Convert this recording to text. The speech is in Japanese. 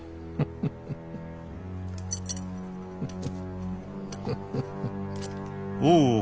フフフフ。